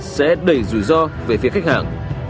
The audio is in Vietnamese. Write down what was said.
sẽ đẩy rủi ro về phía khách hàng